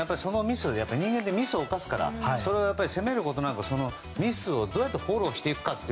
でも、人間はミスを犯すから、それを攻めることなくミスをどうやってフォローしていくか。